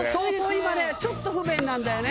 今ねちょっと不便なんだよね。